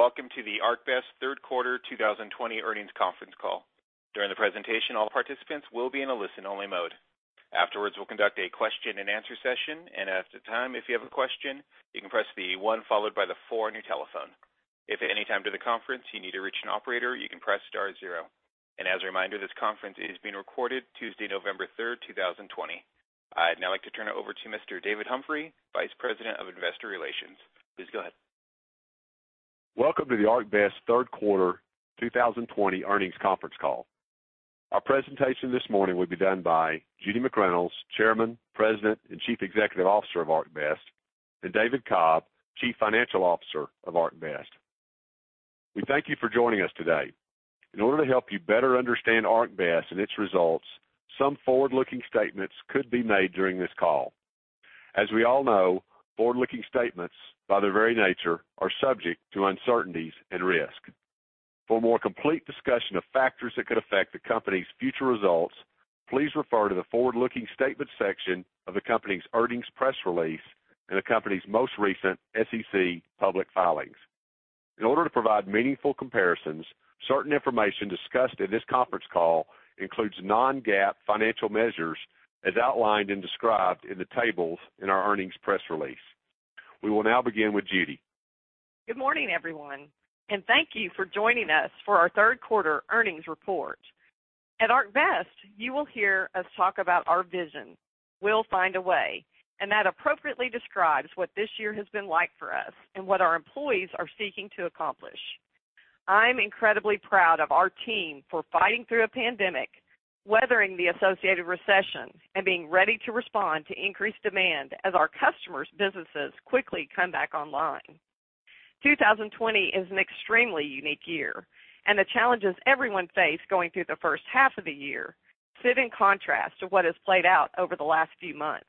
Good evening, and welcome to the ArcBest Q3 2020 Earnings Conference Call. During the presentation, all participants will be in a listen-only mode. Afterwards, we'll conduct a question-and-answer session, and after time, if you have a question, you can press the one followed by the four on your telephone. If at any time during the conference you need to reach an operator, you can press star 0. And as a reminder, this conference is being recorded Tuesday, November 3, 2020. I'd now like to turn it over to Mr. David Humphrey, Vice President of Investor Relations. Please go ahead. Welcome to the ArcBest Q3 2020 Earnings Conference Call. Our presentation this morning will be done by Judy McReynolds, Chairman, President, and Chief Executive Officer of ArcBest, and David Cobb, Chief Financial Officer of ArcBest. We thank you for joining us today. In order to help you better understand ArcBest and its results, some forward-looking statements could be made during this call. As we all know, forward-looking statements, by their very nature, are subject to uncertainties and risk. For a more complete discussion of factors that could affect the company's future results, please refer to the Forward-Looking Statements section of the company's earnings press release and the company's most recent SEC public filings. In order to provide meaningful comparisons, certain information discussed in this conference call includes non-GAAP financial measures, as outlined and described in the tables in our earnings press release. We will now begin with Judy. Good morning, everyone, and thank you for joining us for our Q3 earnings report. At ArcBest, you will hear us talk about our vision, "We'll find a way," and that appropriately describes what this year has been like for us and what our employees are seeking to accomplish. I'm incredibly proud of our team for fighting through a pandemic, weathering the associated recession, and being ready to respond to increased demand as our customers' businesses quickly come back online. 2020 is an extremely unique year, and the challenges everyone faced going through the first half of the year sit in contrast to what has played out over the last few months.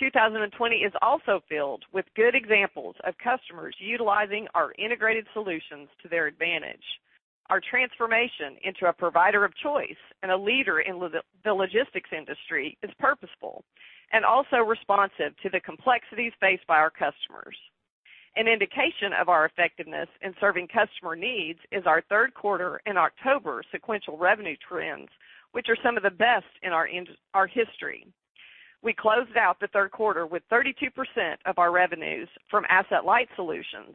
2020 is also filled with good examples of customers utilizing our integrated solutions to their advantage. Our transformation into a provider of choice and a leader in the logistics industry is purposeful and also responsive to the complexities faced by our customers. An indication of our effectiveness in serving customer needs is our Q3 and October sequential revenue trends, which are some of the best in our history. We closed out the Q3 with 32% of our revenues from Asset-Light Solutions,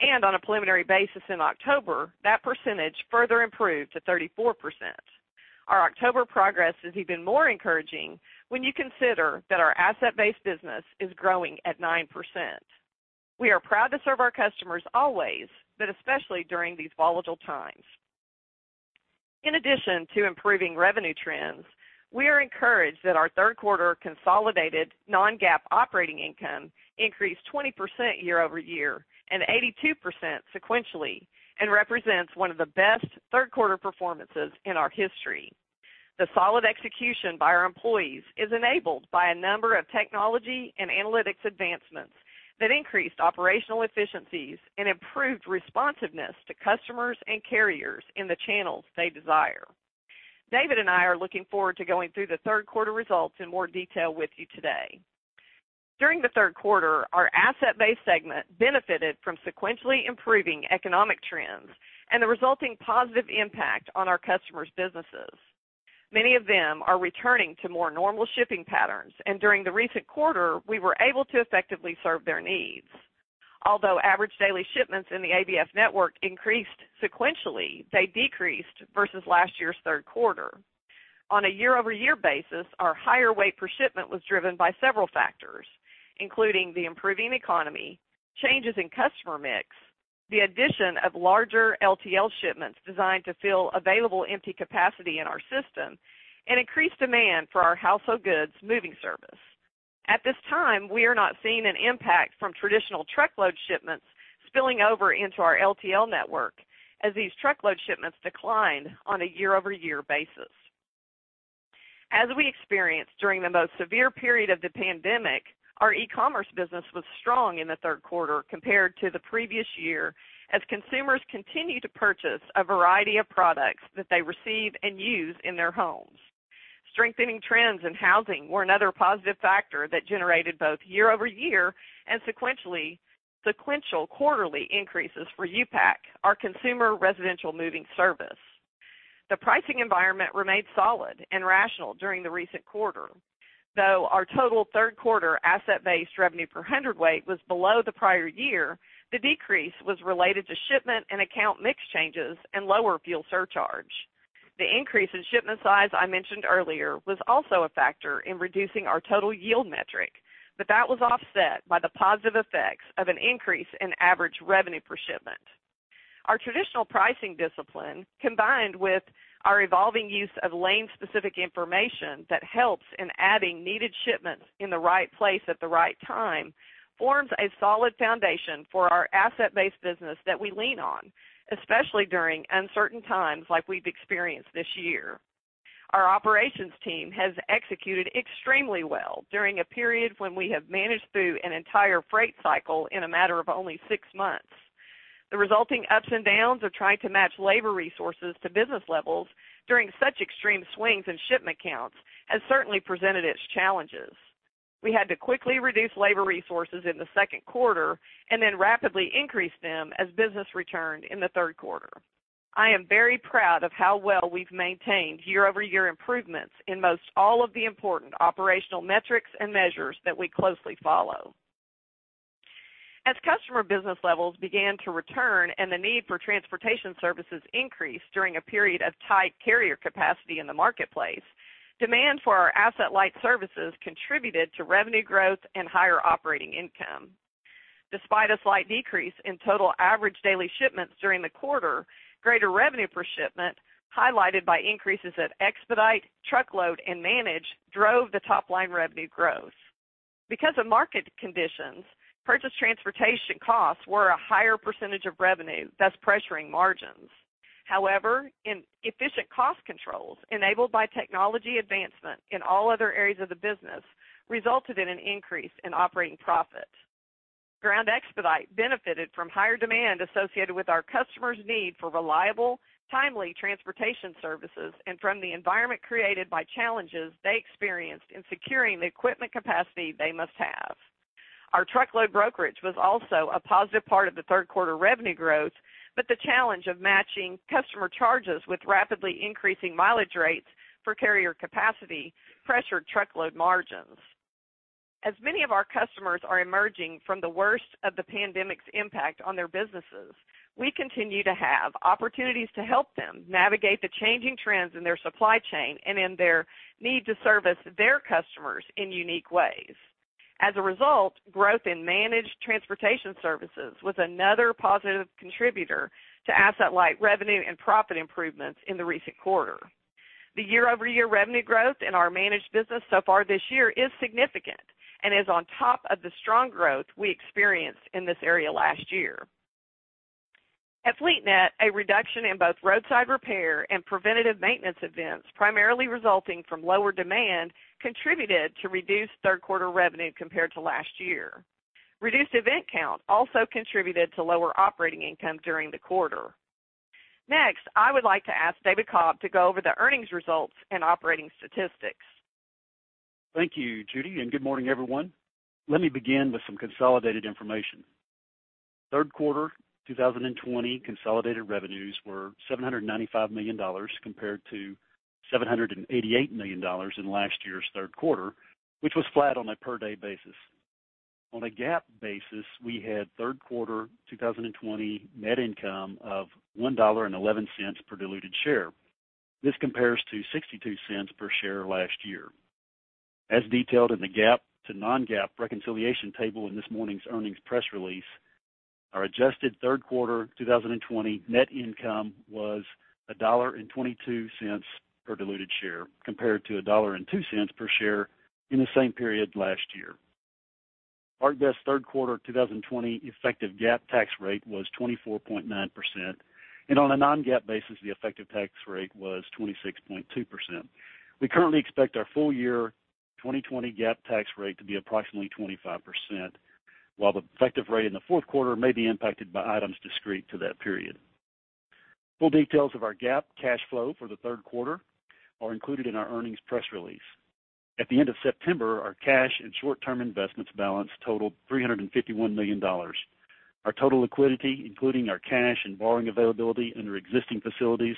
and on a preliminary basis in October, that percentage further improved to 34%. Our October progress is even more encouraging when you consider that our Asset-Based business is growing at 9%. We are proud to serve our customers always, but especially during these volatile times. In addition to improving revenue trends, we are encouraged that our Q3 consolidated non-GAAP operating income increased 20% year-over-year and 82% sequentially and represents one of the best Q3 performances in our history. The solid execution by our employees is enabled by a number of technology and analytics advancements that increased operational efficiencies and improved responsiveness to customers and carriers in the channels they desire. David and I are looking forward to going through the Q3 results in more detail with you today. During the Q3, our Asset-Based segment benefited from sequentially improving economic trends and the resulting positive impact on our customers' businesses. Many of them are returning to more normal shipping patterns, and during the recent quarter, we were able to effectively serve their needs. Although average daily shipments in the ABF network increased sequentially, they decreased versus last year's Q3. On a year-over-year basis, our higher weight per shipment was driven by several factors, including the improving economy, changes in customer mix, the addition of larger LTL shipments designed to fill available empty capacity in our system, and increased demand for our household goods moving service. At this time, we are not seeing an impact from traditional truckload shipments spilling over into our LTL network as these truckload shipments declined on a year-over-year basis. As we experienced during the most severe period of the pandemic, our e-commerce business was strong in the Q3 compared to the previous year, as consumers continue to purchase a variety of products that they receive and use in their homes. Strengthening trends in housing were another positive factor that generated both year-over-year and sequential quarterly increases for U-Pack, our consumer residential moving service. The pricing environment remained solid and rational during the recent quarter. Though our total Q3 Asset-Based revenue per hundredweight was below the prior year, the decrease was related to shipment and account mix changes and lower fuel surcharge. The increase in shipment size I mentioned earlier was also a factor in reducing our total yield metric, but that was offset by the positive effects of an increase in average revenue per shipment. Our traditional pricing discipline, combined with our evolving use of lane-specific information that helps in adding needed shipments in the right place at the right time, forms a solid foundation for our Asset-Based business that we lean on, especially during uncertain times like we've experienced this year. Our operations team has executed extremely well during a period when we have managed through an entire freight cycle in a matter of only six months. The resulting ups and downs of trying to match labor resources to business levels during such extreme swings in shipment counts has certainly presented its challenges. We had to quickly reduce labor resources in the Q2 and then rapidly increase them as business returned in the Q3. I am very proud of how well we've maintained year-over-year improvements in most all of the important operational metrics and measures that we closely follow. As customer business levels began to return and the need for transportation services increased during a period of tight carrier capacity in the marketplace, demand for our Asset-Light services contributed to revenue growth and higher operating income. Despite a slight decrease in total average daily shipments during the quarter, greater revenue per shipment, highlighted by increases at Expedite, Truckload, and Manage, drove the top line revenue growth. Because of market conditions, purchase transportation costs were a higher percentage of revenue, thus pressuring margins. However, efficient cost controls, enabled by technology advancement in all other areas of the business, resulted in an increase in operating profit. Ground Expedite benefited from higher demand associated with our customers' need for reliable, timely transportation services, and from the environment created by challenges they experienced in securing the equipment capacity they must have. Our truckload brokerage was also a positive part of the Q3 revenue growth, but the challenge of matching customer charges with rapidly increasing mileage rates for carrier capacity pressured truckload margins. As many of our customers are emerging from the worst of the pandemic's impact on their businesses, we continue to have opportunities to help them navigate the changing trends in their supply chain and in their need to service their customers in unique ways. As a result, growth in Managed Transportation Services was another positive contributor to Asset-Light revenue and profit improvements in the recent quarter. The year-over-year revenue growth in our Managed business so far this year is significant and is on top of the strong growth we experienced in this area last year. At FleetNet, a reduction in both roadside repair and preventative maintenance events, primarily resulting from lower demand, contributed to reduced Q3 revenue compared to last year. Reduced event count also contributed to lower operating income during the quarter. Next, I would like to ask David Cobb to go over the earnings results and operating statistics. Thank you, Judy, and good morning, everyone. Let me begin with some consolidated information. Q3 2020 consolidated revenues were $795 million, compared to $788 million in last year's Q3, which was flat on a per-day basis. On a GAAP basis, we had Q3 2020 net income of $1.11 per diluted share. This compares to $0.62 per share last year. As detailed in the GAAP to non-GAAP reconciliation table in this morning's earnings press release, our adjusted Q3 2020 net income was $1.22 per diluted share, compared to $1.02 per share in the same period last year. ArcBest's Q3 2020 effective GAAP tax rate was 24.9%, and on a non-GAAP basis, the effective tax rate was 26.2%. We currently expect our full year 2020 GAAP tax rate to be approximately 25%, while the effective rate in the Q4 may be impacted by items discrete to that period. Full details of our GAAP cash flow for the Q3 are included in our earnings press release. At the end of September, our cash and short-term investments balance totaled $351 million. Our total liquidity, including our cash and borrowing availability under existing facilities,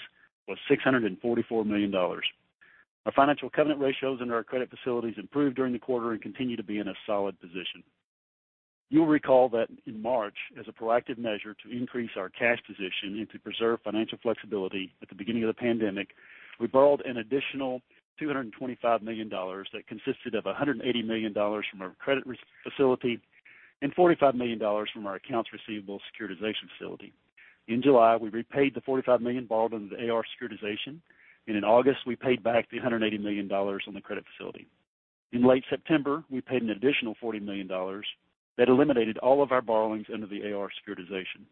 was $644 million. Our financial covenant ratios under our credit facilities improved during the quarter and continue to be in a solid position. You'll recall that in March, as a proactive measure to increase our cash position and to preserve financial flexibility at the beginning of the pandemic, we borrowed an additional $225 million that consisted of $180 million from our credit revolver facility and $45 million from our accounts receivable securitization facility. In July, we repaid the $45 million borrowed under the AR securitization, and in August, we paid back the $180 million on the credit facility. In late September, we paid an additional $40 million that eliminated all of our borrowings under the AR securitization.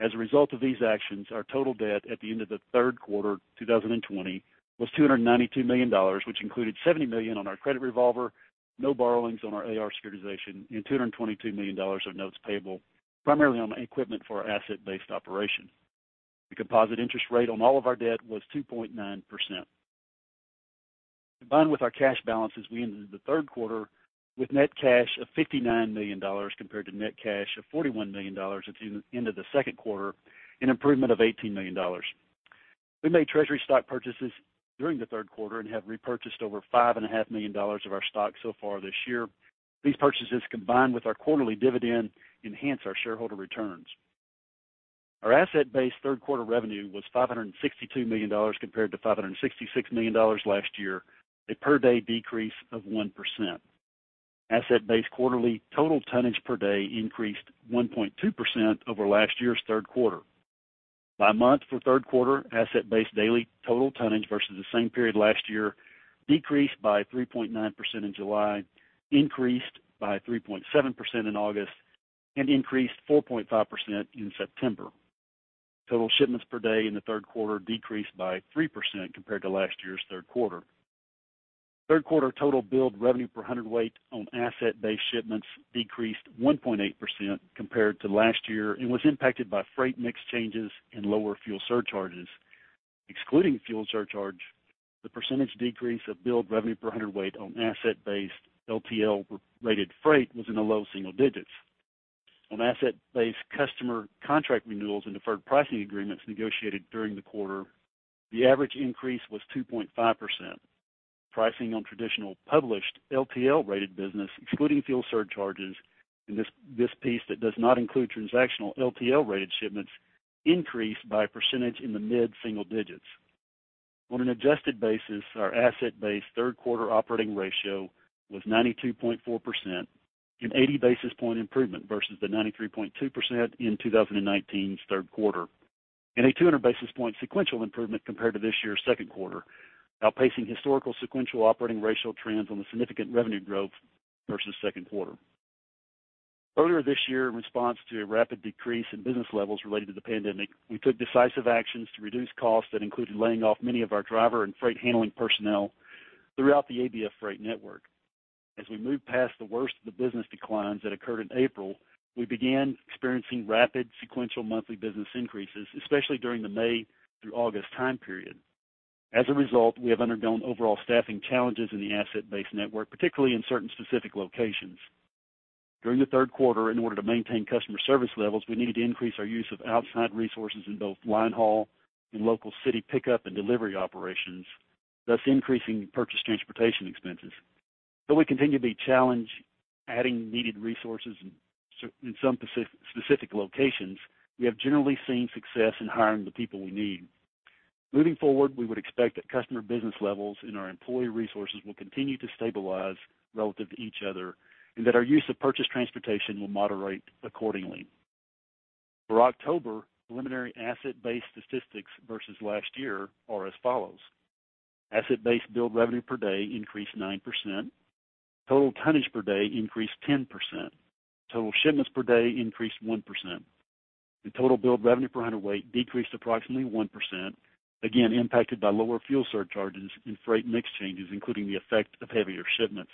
As a result of these actions, our total debt at the end of the Q3 2020 was $292 million, which included $70 million on our credit revolver, no borrowings on our AR securitization, and $222 million of notes payable, primarily on equipment for our Asset-Based operation. The composite interest rate on all of our debt was 2.9%. Combined with our cash balances, we ended the Q3 with net cash of $59 million, compared to net cash of $41 million at the end of the Q2, an improvement of $18 million. We made treasury stock purchases during the Q3 and have repurchased over $5.5 million of our stock so far this year. These purchases, combined with our quarterly dividend, enhance our shareholder returns. Our Asset-Based Q3 revenue was $562 million, compared to $566 million last year, a per-day decrease of 1%. Asset-based quarterly total tonnage per day increased 1.2% over last year's Q3. By month for Q3, Asset-Based daily total tonnage versus the same period last year decreased by 3.9% in July, increased by 3.7% in August, and increased 4.5% in September. Total shipments per day in the Q3 decreased by 3% compared to last year's Q3. Q3 total billed revenue per hundredweight on Asset-Based shipments decreased 1.8% compared to last year, and was impacted by freight mix changes and lower fuel surcharges. Excluding fuel surcharge, the percentage decrease of billed revenue per hundredweight on Asset-Based LTL rated freight was in the low single digits. On Asset-Based customer contract renewals and deferred pricing agreements negotiated during the quarter, the average increase was 2.5%. Pricing on traditional published LTL rated business, excluding fuel surcharges, and this, this piece that does not include transactional LTL rated shipments, increased by a percentage in the mid-single digits. On an adjusted basis, our Asset-Based Q3 operating ratio was 92.4%, an 80 basis point improvement versus the 93.2% in 2019's Q3, and a 200 basis point sequential improvement compared to this year's Q2, outpacing historical sequential operating ratio trends on the significant revenue growth versus Q2. Earlier this year, in response to a rapid decrease in business levels related to the pandemic, we took decisive actions to reduce costs that included laying off many of our driver and freight handling personnel throughout the ABF Freight network. As we moved past the worst of the business declines that occurred in April, we began experiencing rapid sequential monthly business increases, especially during the May through August time period. As a result, we have undergone overall staffing challenges in the Asset-Based network, particularly in certain specific locations. During the Q3, in order to maintain customer service levels, we needed to increase our use of outside resources in both line haul and local city pickup and delivery operations, thus increasing purchase transportation expenses. Though we continue to be challenged adding needed resources in some specific locations, we have generally seen success in hiring the people we need. Moving forward, we would expect that customer business levels and our employee resources will continue to stabilize relative to each other, and that our use of purchase transportation will moderate accordingly. For October, preliminary Asset-Based statistics versus last year are as follows: Asset-based billed revenue per day increased 9%. Total tonnage per day increased 10%. Total shipments per day increased 1%, and total billed revenue per hundredweight decreased approximately 1%, again, impacted by lower fuel surcharges and freight mix changes, including the effect of heavier shipments.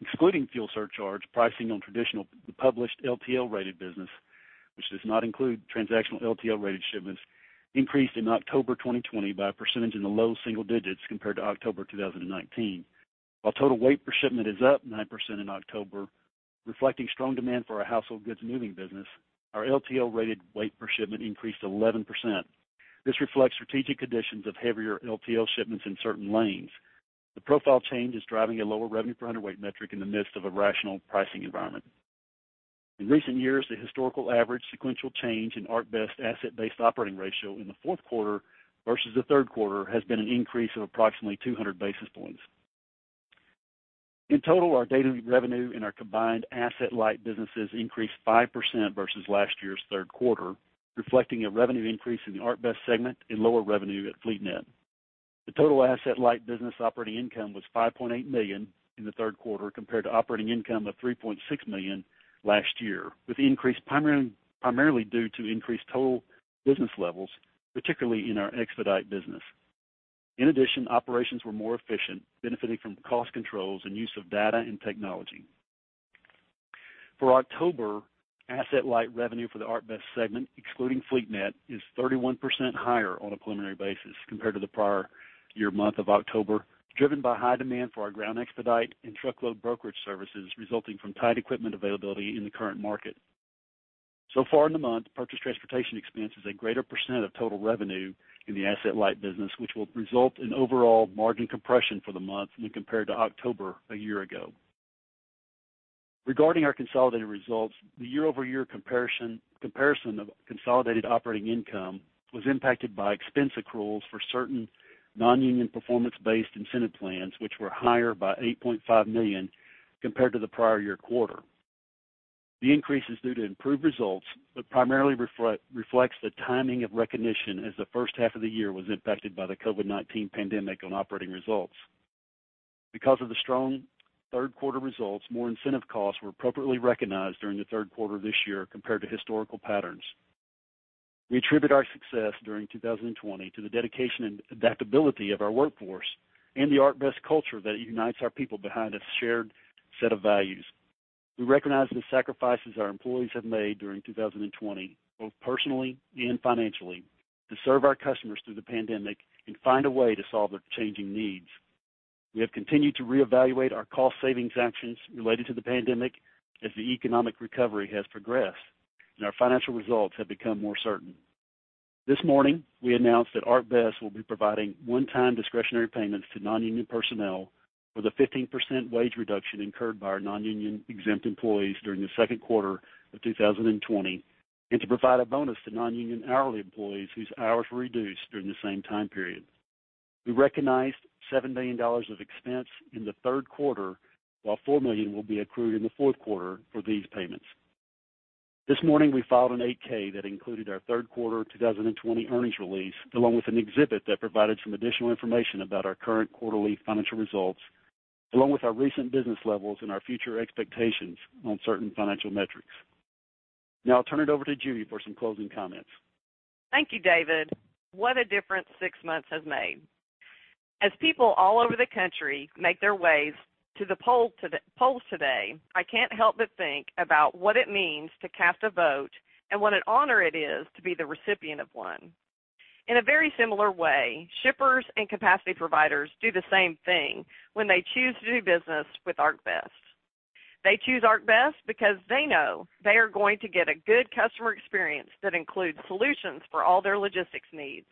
Excluding fuel surcharge, pricing on traditional published LTL rated business, which does not include transactional LTL rated shipments, increased in October 2020 by a percentage in the low single digits compared to October 2019. While total weight per shipment is up 9% in October, reflecting strong demand for our household goods moving business, our LTL rated weight per shipment increased 11%. This reflects strategic conditions of heavier LTL shipments in certain lanes. The profile change is driving a lower revenue per hundred weight metric in the midst of a rational pricing environment. In recent years, the historical average sequential change in ArcBest Asset-Based operating ratio in the Q4 versus the Q3 has been an increase of approximately 200 basis points. In total, our daily revenue in our combined Asset-Light businesses increased 5% versus last year's Q3, reflecting a revenue increase in the ArcBest segment and lower revenue at FleetNet. The total Asset-Light business operating income was $5.8 million in the Q3, compared to operating income of $3.6 million last year, with increase primarily due to increased total business levels, particularly in our expedite business. In addition, operations were more efficient, benefiting from cost controls and use of data and technology. For October, Asset-Light revenue for the ArcBest segment, excluding FleetNet, is 31% higher on a preliminary basis compared to the prior year month of October, driven by high demand for our ground expedite and truckload brokerage services, resulting from tight equipment availability in the current market. So far in the month, purchase transportation expense is a greater percent of total revenue in the Asset-Light business, which will result in overall margin compression for the month when compared to October a year ago. Regarding our consolidated results, the year-over-year comparison of consolidated operating income was impacted by expense accruals for certain non-union, performance-based incentive plans, which were higher by $8.5 million compared to the prior year quarter. The increase is due to improved results, but primarily reflects the timing of recognition, as the first half of the year was impacted by the COVID-19 pandemic on operating results. Because of the strong Q3 results, more incentive costs were appropriately recognized during the Q3 of this year compared to historical patterns. We attribute our success during 2020 to the dedication and adaptability of our workforce and the ArcBest culture that unites our people behind a shared set of values. We recognize the sacrifices our employees have made during 2020, both personally and financially, to serve our customers through the pandemic and find a way to solve their changing needs. We have continued to reevaluate our cost savings actions related to the pandemic as the economic recovery has progressed and our financial results have become more certain. This morning, we announced that ArcBest will be providing one-time discretionary payments to non-union personnel with a 15% wage reduction incurred by our non-union exempt employees during the Q2 of 2020, and to provide a bonus to non-union hourly employees whose hours were reduced during the same time period. We recognized $7 million of expense in the Q3, while $4 million will be accrued in the Q4 for these payments. This morning, we filed a Form 8-K that included our Q3 2020 earnings release, along with an exhibit that provided some additional information about our current quarterly financial results, along with our recent business levels and our future expectations on certain financial metrics. Now I'll turn it over to Judy for some closing comments. Thank you, David. What a difference six months has made! As people all over the country make their ways to the polls today, I can't help but think about what it means to cast a vote and what an honor it is to be the recipient of one. In a very similar way, shippers and capacity providers do the same thing when they choose to do business with ArcBest. They choose ArcBest because they know they are going to get a good customer experience that includes solutions for all their logistics needs.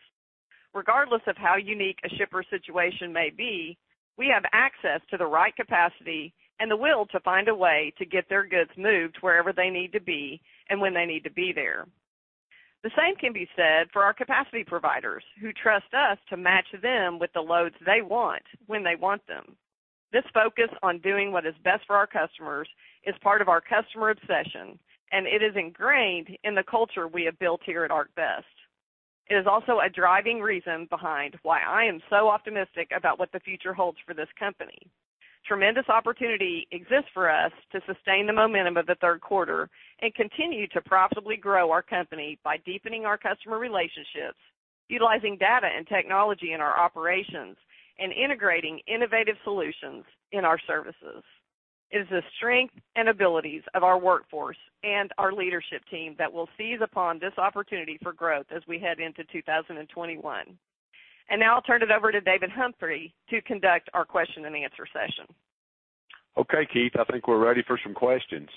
Regardless of how unique a shipper situation may be, we have access to the right capacity and the will to find a way to get their goods moved wherever they need to be and when they need to be there. The same can be said for our capacity providers, who trust us to match them with the loads they want when they want them. This focus on doing what is best for our customers is part of our customer obsession, and it is ingrained in the culture we have built here at ArcBest. It is also a driving reason behind why I am so optimistic about what the future holds for this company. Tremendous opportunity exists for us to sustain the momentum of the Q3 and continue to profitably grow our company by deepening our customer relationships, utilizing data and technology in our operations, and integrating innovative solutions in our services. It is the strength and abilities of our workforce and our leadership team that will seize upon this opportunity for growth as we head into 2021. Now I'll turn it over to David Humphrey to conduct our question-and-answer session. Okay, Keith, I think we're ready for some questions.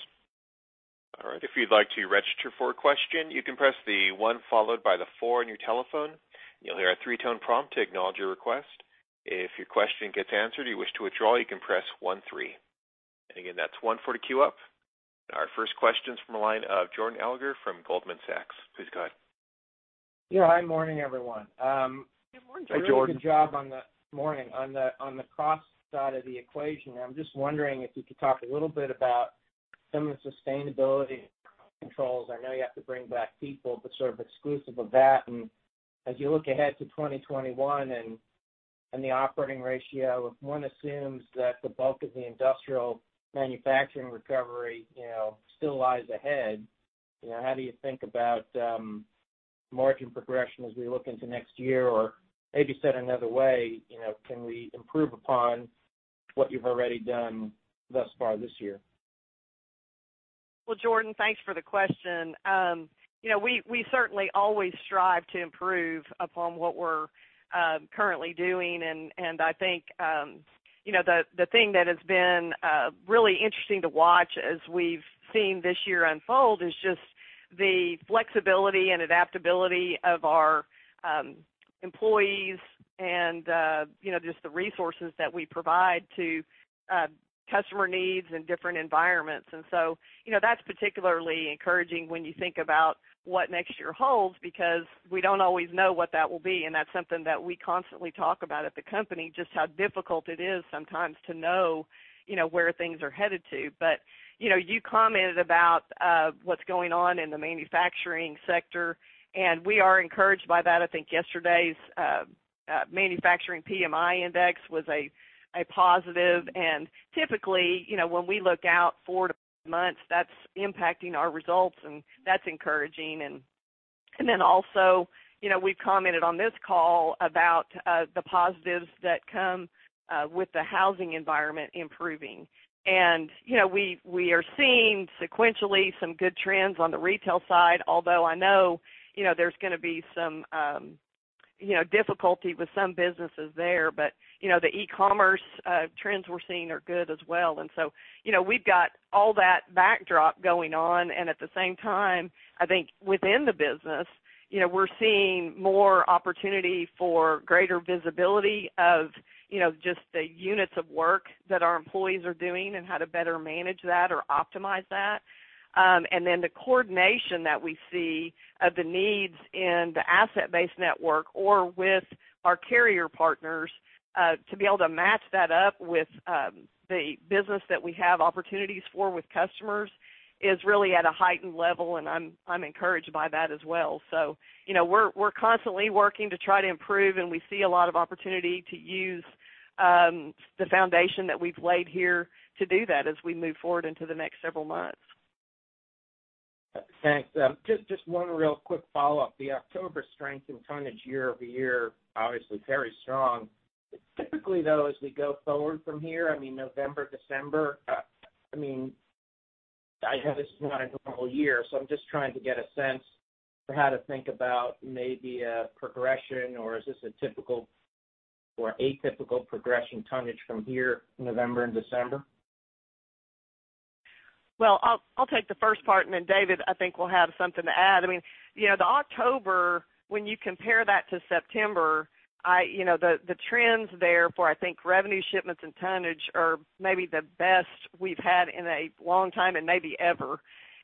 All right. If you'd like to register for a question, you can press the one followed by the four on your telephone. You'll hear a three-tone prompt to acknowledge your request. If your question gets answered, you wish to withdraw, you can press one three. And again, that's one four to queue up. Our first question is from the line of Jordan Alliger from Goldman Sachs. Please go ahead. Yeah, hi, morning, everyone. Good morning, Jordan. Hi, Jordan. Really good job on the morning. On the cost side of the equation, I'm just wondering if you could talk a little bit about some of the sustainability controls. I know you have to bring back people, but sort of exclusive of that. And as you look ahead to 2021 and the operating ratio, one assumes that the bulk of the industrial manufacturing recovery, you know, still lies ahead. You know, how do you think about margin progression as we look into next year? Or maybe said another way, you know, can we improve upon what you've already done thus far this year? Well, Jordan, thanks for the question. You know, we certainly always strive to improve upon what we're currently doing, and I think, you know, the thing that has been really interesting to watch as we've seen this year unfold is just the flexibility and adaptability of our employees and, you know, just the resources that we provide to customer needs in different environments. So, you know, that's particularly encouraging when you think about what next year holds, because we don't always know what that will be, and that's something that we constantly talk about at the company, just how difficult it is sometimes to know, you know, where things are headed to. But, you know, you commented about what's going on in the manufacturing sector, and we are encouraged by that. I think yesterday's manufacturing PMI index was a positive, and typically, you know, when we look out four to five months, that's impacting our results, and that's encouraging. And then also, you know, we've commented on this call about the positives that come with the housing environment improving. And, you know, we are seeing sequentially some good trends on the retail side, although I know, you know, there's gonna be some difficulty with some businesses there. But, you know, the e-commerce trends we're seeing are good as well. And so, you know, we've got all that backdrop going on, and at the same time, I think within the business, you know, we're seeing more opportunity for greater visibility of, you know, just the units of work that our employees are doing and how to better manage that or optimize that. And then the coordination that we see of the needs in the Asset-Based network or with our carrier partners, to be able to match that up with the business that we have opportunities for with customers is really at a heightened level, and I'm encouraged by that as well. So, you know, we're constantly working to try to improve, and we see a lot of opportunity to use the foundation that we've laid here to do that as we move forward into the next several months. Thanks. Just, just one real quick follow-up. The October strength in tonnage year-over-year, obviously very strong. Typically, though, as we go forward from here, I mean, November, December, I mean, I know this is not a normal year, so I'm just trying to get a sense for how to think about maybe a progression, or is this a typical or atypical progression tonnage from here, November and December? Well, I'll take the first part, and then, David, I think, will have something to add. I mean, you know, the October, when you compare that to September. You know, the trends there for, I think, revenue, shipments, and tonnage are maybe the best we've had in a long time and maybe ever.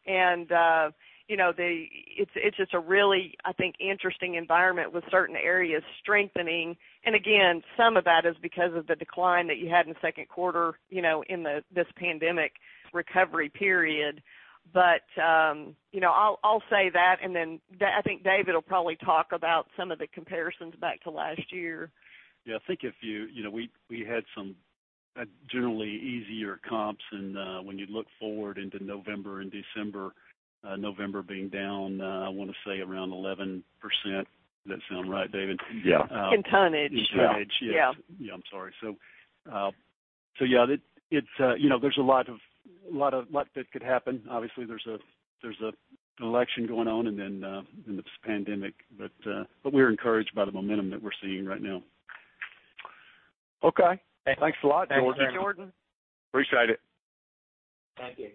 And you know, it's just a really, I think, interesting environment with certain areas strengthening. And again, some of that is because of the decline that you had in the Q2, you know, in this pandemic recovery period. But you know, I'll say that, and then I think David will probably talk about some of the comparisons back to last year. Yeah, I think if you, you know, we, we had some generally easier comps and when you look forward into November and December, November being down, I want to say around 11%. Does that sound right, David? Yeah. In tonnage. In tonnage. Yeah. Yeah, I'm sorry. So, so yeah, it's, you know, there's a lot that could happen. Obviously, there's an election going on, and then, and this pandemic. But, but we're encouraged by the momentum that we're seeing right now. Okay, thanks a lot, Jordan. Thank you, Jordan. Appreciate it. Thank you.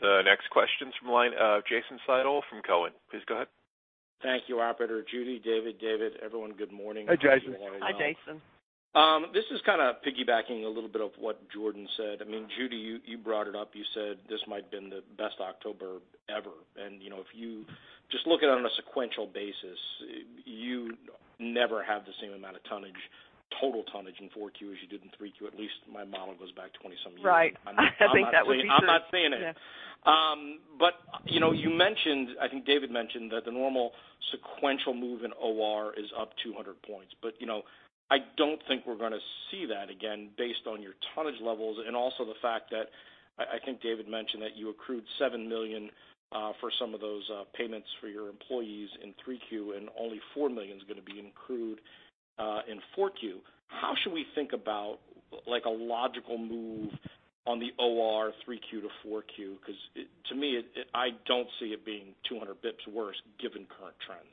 The next question's from the line of Jason Seidl from Cowen. Please go ahead. Thank you, operator. Judy, David, David, everyone, good morning. Hi, Jason. Hi, Jason. This is kind of piggybacking a little bit of what Jordan said. I mean, Judy, you brought it up. You said this might have been the best October ever. And, you know, if you just look at it on a sequential basis, you never have the same amount of tonnage, total tonnage in Q4 as you did in Q3. At least my model goes back 20 some years. Right. I think that would be true. I'm not saying it. But, you know, you mentioned, I think David mentioned that the normal sequential move in OR is up 200 points. But, you know, I don't think we're going to see that again, based on your tonnage levels and also the fact that, I think David mentioned that you accrued $7 million for some of those payments for your employees in Q3, and only $4 million is going to be accrued in Q4. How should we think about, like, a logical move on the OR Q3 to Q4? Because it—to me, I don't see it being 200 basis points worse given current trends.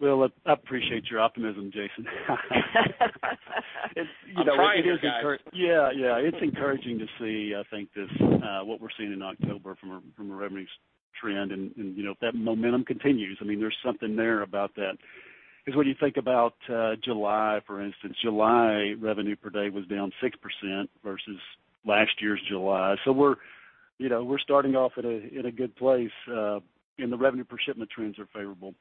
Well, I appreciate your optimism, Jason. I'm trying, guys. Yeah, yeah. It's encouraging to see, I think this, what we're seeing in October from a revenues trend. And, you know, if that momentum continues, I mean, there's something there about that. Because when you think about July, for instance, July revenue per day was down 6% versus last year's July. So, you know, we're starting off in a good place, and the revenue per shipment trends are favorable.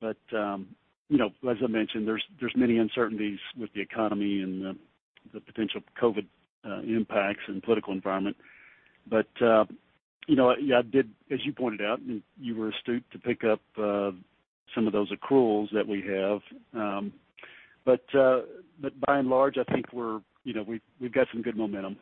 But, you know, as I mentioned, there's many uncertainties with the economy and the potential COVID impacts and political environment. But, you know, yeah. As you pointed out, and you were astute to pick up, some of those accruals that we have. But by and large, I think we're, you know, we've got some good momentum.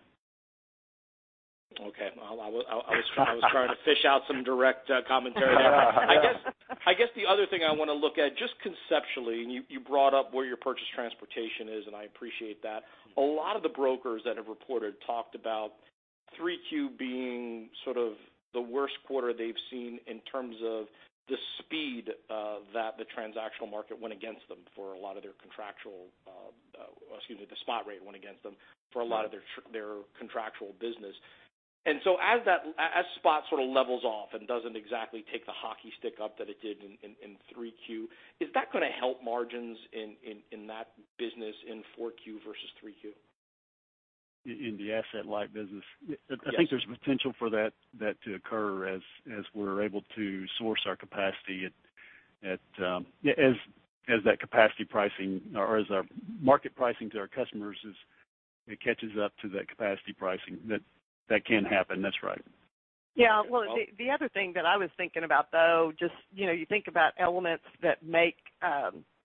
Okay. Well, I was trying to fish out some direct commentary. I guess the other thing I want to look at, just conceptually, and you brought up where your purchase transportation is, and I appreciate that. A lot of the brokers that have reported talked about Q3 being sort of the worst quarter they've seen in terms of the speed that the transactional market went against them for a lot of their contractual, excuse me, the spot rate went against them for a lot of their contractual business. And so as that spot sort of levels off and doesn't exactly take the hockey stick up that it did in Q3, is that going to help margins in that business in Q4 versus Q3? In the Asset-Light business? Yes. I think there's potential for that to occur as we're able to source our capacity at yeah as that capacity pricing or as our market pricing to our customers is it catches up to that capacity pricing. That can happen. That's right. Yeah. Well, the other thing that I was thinking about, though, just, you know, you think about elements that make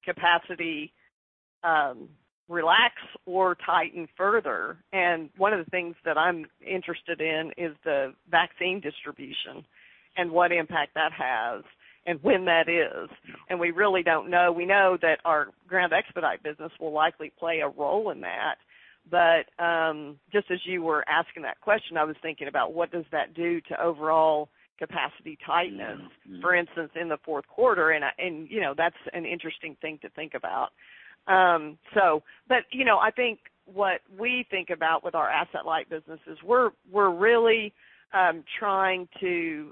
capacity relax or tighten further. And one of the things that I'm interested in is the vaccine distribution and what impact that has and when that is. And we really don't know. We know that our ground expedite business will likely play a role in that. But just as you were asking that question, I was thinking about what does that do to overall capacity tightness for instance, in the Q4? And, and, you know, that's an interesting thing to think about. So but, you know, I think what we think about with our Asset-Light businesses, we're, we're really, trying to,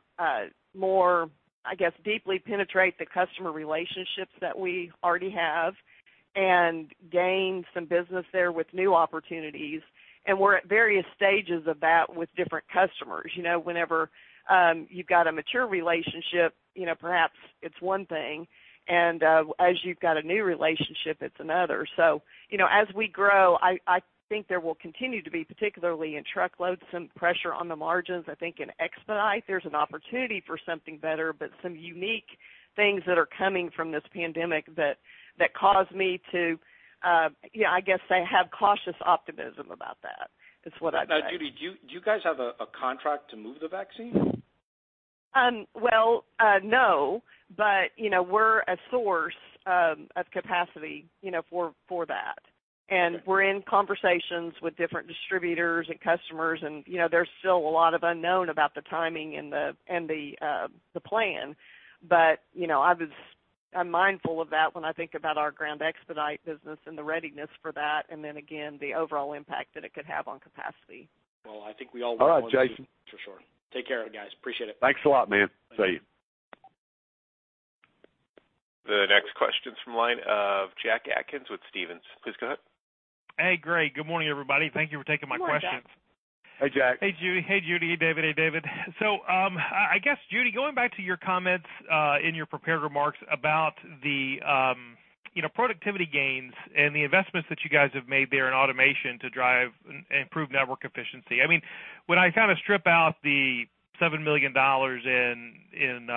more, I guess, deeply penetrate the customer relationships that we already have and gain some business there with new opportunities. And we're at various stages of that with different customers. You know, whenever, you've got a mature relationship, you know, perhaps it's one thing, and, as you've got a new relationship, it's another. So, you know, as we grow, I, I think there will continue to be, particularly in truckload, some pressure on the margins. I think in expedite, there's an opportunity for something better, but some unique things that are coming from this pandemic that cause me to, yeah, I guess, say, have cautious optimism about that. Is what I'd say. Now, Judy, do you guys have a contract to move the vaccine? Well, no, but you know, we're a source of capacity, you know, for that. Okay. We're in conversations with different distributors and customers. You know, there's still a lot of unknown about the timing and the plan. But, you know, I was—I'm mindful of that when I think about our ground expedite business and the readiness for that, and then again, the overall impact that it could have on capacity. Well, I think we all want to see— All right, Jason. For sure. Take care, guys. Appreciate it. Thanks a lot, man. See you. The next question's from the line of Jack Atkins with Stephens. Please go ahead. Hey, great. Good morning, everybody. Thank you for taking my questions. Good morning, Jack. Hey, Jack. Hey, Judy. Hey, Judy. David, and David. So, I guess, Judy, going back to your comments in your prepared remarks about the you know, productivity gains and the investments that you guys have made there in automation to drive and improve network efficiency. I mean, when I kind of strip out the $7 million in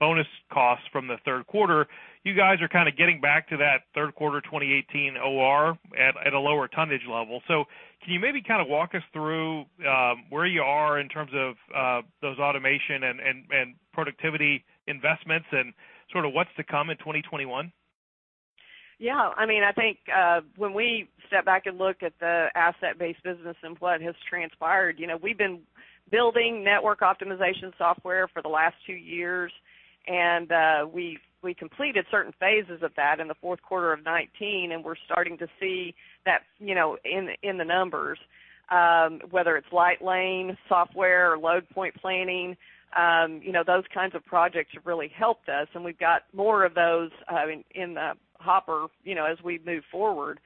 bonus costs from the Q3, you guys are kind of getting back to that Q3 2018 OR at a lower tonnage level. So, can you maybe kind of walk us through where you are in terms of those automation and productivity investments and sort of what's to come in 2021? Yeah, I mean, I think, when we step back and look at the Asset-Based business and what has transpired, you know, we've been building network optimization software for the last two years, and, we've—we completed certain phases of that in the Q4 of 2019, and we're starting to see that, you know, in, in the numbers. Whether it's lightlane software or load point planning, you know, those kinds of projects have really helped us, and we've got more of those, in, in the hopper, you know, as we move forward.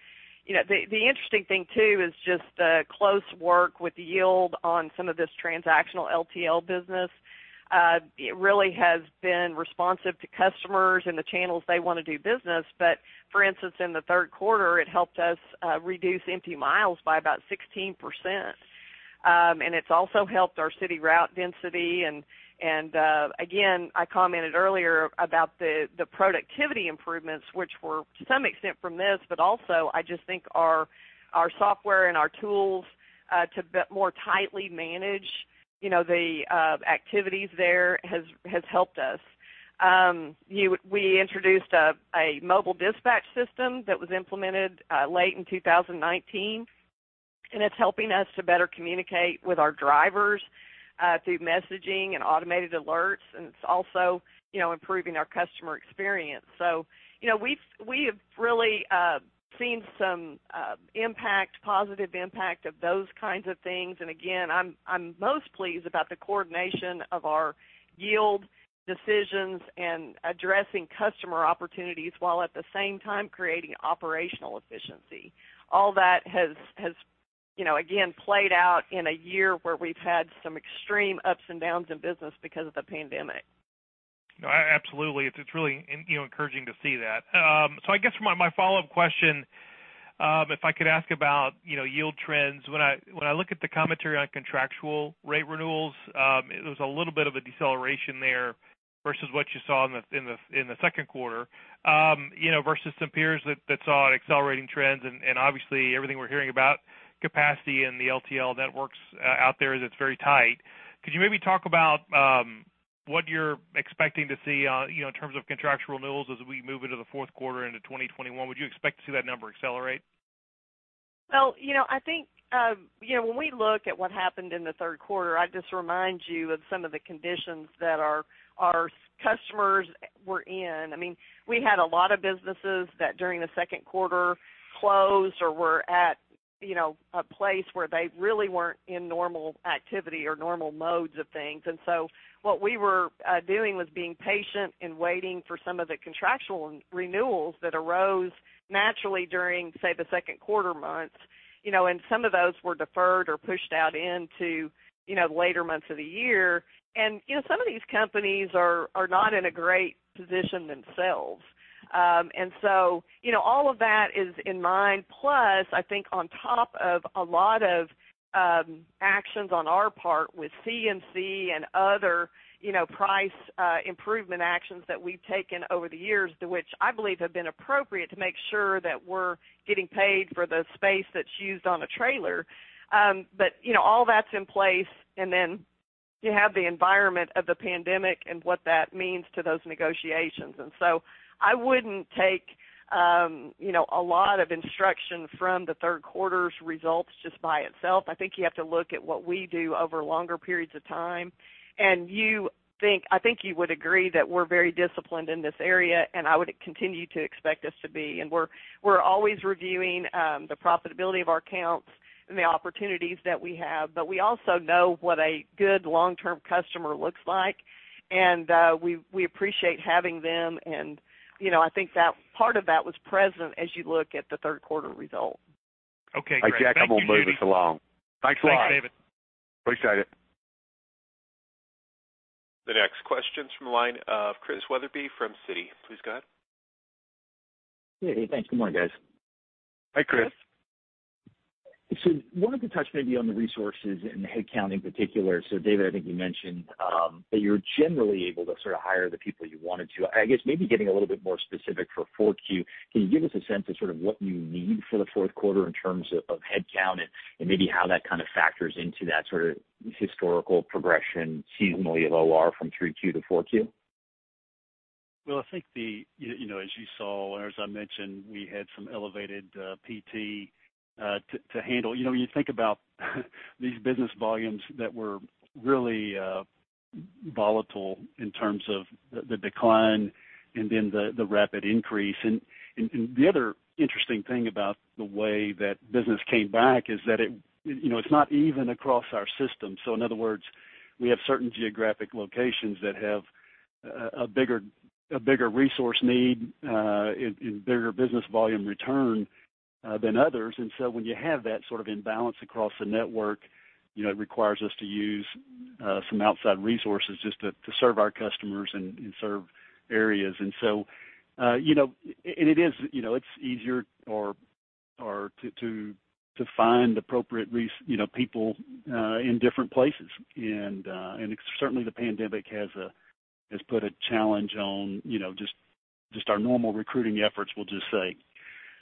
You know, the, the interesting thing, too, is just the close work with yield on some of this transactional LTL business. It really has been responsive to customers and the channels they want to do business. But for instance, in the Q3, it helped us reduce empty miles by about 16%. And it's also helped our city route density. And again, I commented earlier about the productivity improvements, which were to some extent from this, but also I just think our software and our tools to more tightly manage, you know, the activities there has helped us. We introduced a mobile dispatch system that was implemented late in 2019, and it's helping us to better communicate with our drivers through messaging and automated alerts, and it's also, you know, improving our customer experience. So, you know, we have really seen some impact, positive impact of those kinds of things. And again, I'm most pleased about the coordination of our yield decisions and addressing customer opportunities, while at the same time creating operational efficiency. All that has, you know, again, played out in a year where we've had some extreme ups and downs in business because of the pandemic. No, absolutely. It's really, you know, encouraging to see that. So I guess for my follow-up question, if I could ask about, you know, yield trends. When I look at the commentary on contractual rate renewals, there was a little bit of a deceleration there versus what you saw in the Q2. You know, versus some peers that saw accelerating trends and obviously, everything we're hearing about capacity in the LTL networks out there, that's very tight. Could you maybe talk about what you're expecting to see, you know, in terms of contractual renewals as we move into the Q4 into 2021? Would you expect to see that number accelerate? Well, you know, I think, you know, when we look at what happened in the Q3, I'd just remind you of some of the conditions that our, our customers were in. I mean, we had a lot of businesses that, during the Q2, closed or were at, you know, a place where they really weren't in normal activity or normal modes of things. And so what we were doing was being patient and waiting for some of the contractual renewals that arose naturally during, say, the Q2 months, you know, and some of those were deferred or pushed out into, you know, the later months of the year. And, you know, some of these companies are, are not in a great position themselves. And so, you know, all of that is in mind, plus, I think on top of a lot of actions on our part with CMC and other, you know, price improvement actions that we've taken over the years, to which I believe have been appropriate, to make sure that we're getting paid for the space that's used on a trailer. But, you know, all that's in place, and then you have the environment of the pandemic and what that means to those negotiations. And so I wouldn't take, you know, a lot of instruction from the Q3's results just by itself. I think you have to look at what we do over longer periods of time, and I think you would agree that we're very disciplined in this area, and I would continue to expect us to be. And we're always reviewing the profitability of our accounts and the opportunities that we have, but we also know what a good long-term customer looks like, and we appreciate having them. And, you know, I think that part of that was present as you look at the Q3 results. Okay, great. Hey, Jack, I'm going to move us along. Thanks a lot. Thanks, David. Appreciate it. The next question is from the line of Chris Wetherbee from Citi. Please go ahead. Hey, thanks. Good morning, guys. Hi, Chris. So wanted to touch maybe on the resources and the headcount in particular. So David, I think you mentioned that you're generally able to sort of hire the people you wanted to. I guess maybe getting a little bit more specific for Q4, can you give us a sense of sort of what you need for the Q4 in terms of headcount and maybe how that kind of factors into that sort of historical progression seasonally of OR from Q3 to Q4? Well, I think the... You know, as you saw, or as I mentioned, we had some elevated PT to handle, you know, when you think about these business volumes that were really volatile in terms of the decline and then the rapid increase. And the other interesting thing about the way that business came back is that it, you know, it's not even across our system. So, in other words, we have certain geographic locations that have a bigger resource need and bigger business volume return... than others. And so, when you have that sort of imbalance across the network, you know, it requires us to use some outside resources just to serve our customers and serve areas. And so, you know, and it is, you know, it's easier to find appropriate, you know, people in different places. And, and certainly, the pandemic has put a challenge on, you know, just our normal recruiting efforts, we'll just say.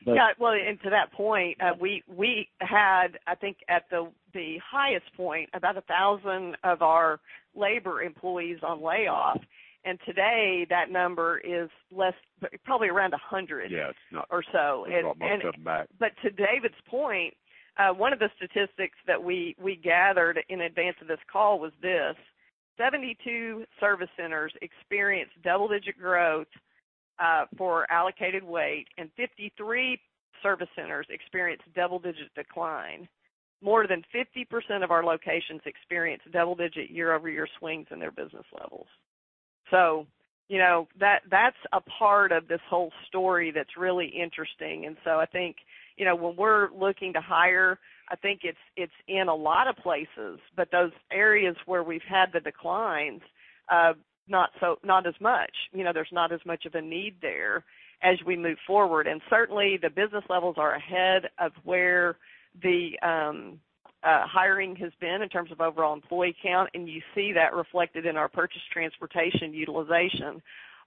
Yeah. Well, and to that point, we had, I think, at the highest point, about a thousand of our labor employees on layoff. And today, that number is less, probably around a hundred— Yes. —or so. We got most of them back. But to David's point, one of the statistics that we gathered in advance of this call was this: 72 service centers experienced double-digit growth for allocated weight, and 53 service centers experienced double-digit decline. More than 50% of our locations experienced double-digit year-over-year swings in their business levels. So, you know, that's a part of this whole story that's really interesting. And so I think, you know, when we're looking to hire, I think it's in a lot of places, but those areas where we've had the declines, not so, not as much. You know, there's not as much of a need there as we move forward. And certainly, the business levels are ahead of where the hiring has been in terms of overall employee count, and you see that reflected in our purchase transportation utilization.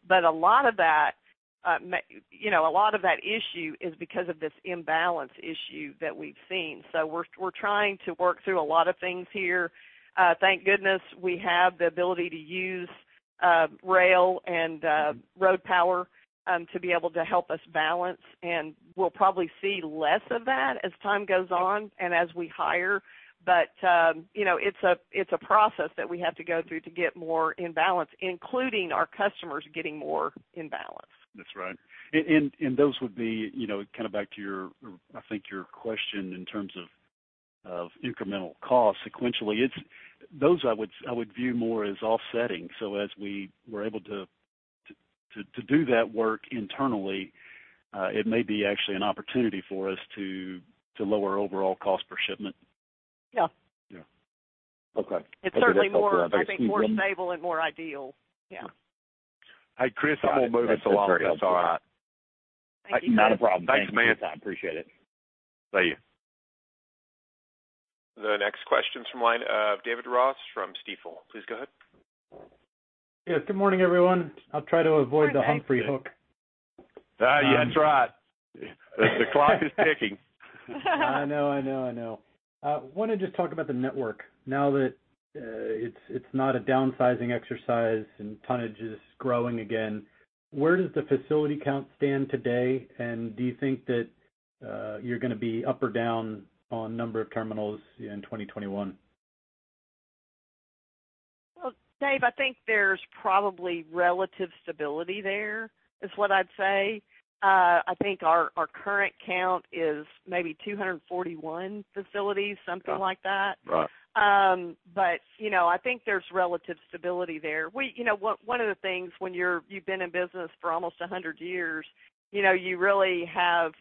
But a lot of that, you know, a lot of that issue is because of this imbalance issue that we've seen. So, we're trying to work through a lot of things here. Thank goodness, we have the ability to use rail and road power to be able to help us balance, and we'll probably see less of that as time goes on and as we hire. But you know, it's a process that we have to go through to get more in balance, including our customers getting more in balance. That's right. And those would be, you know, kind of back to your, I think your question in terms of incremental cost. Sequentially, it's—those I would view more as offsetting. So, as we were able to do that work internally, it may be actually an opportunity for us to lower overall cost per shipment. Yeah. Yeah. Okay. It's certainly more, I think, more stable and more ideal. Yeah. Hey, Chris, I won't move us along. That's all right. Thank you. Not a problem. Thanks, man. I appreciate it. See you. The next question's from the line of David Ross, from Stifel. Please go ahead. Yeah, good morning, everyone. I'll try to avoid the Humphrey hook. Yeah, that's right. The clock is ticking. I know, I know, I know. Want to just talk about the network. Now that it's not a downsizing exercise and tonnage is growing again, where does the facility count stand today? And do you think that you're going to be up or down on number of terminals in 2021? Well, Dave, I think there's probably relative stability there, is what I'd say. I think our current count is maybe 241 facilities, something like that. Right. But, you know, I think there's relative stability there. We, you know, one of the things when you've been in business for almost a hundred years, you know, you really have